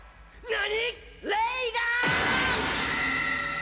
「何！？」